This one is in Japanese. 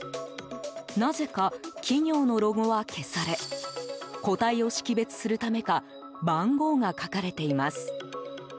なぜか企業のロゴは消され個体を識別するためか番号が書かれています。